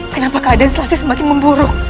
kenapa keadaan selasi semakin memburuk